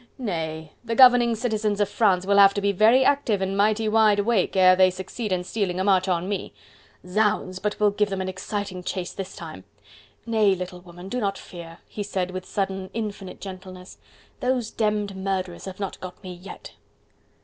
Nay! the governing citizens of France will have to be very active and mighty wide awake ere they succeed in stealing a march on me.... Zounds! but we'll give them an exciting chase this time.... Nay! little woman, do not fear!" he said with sudden infinite gentleness, "those demmed murderers have not got me yet."